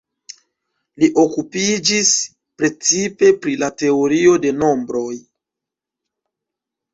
Li okupiĝis precipe pri la teorio de nombroj.